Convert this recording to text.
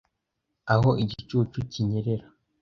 aho igicucu kinyerera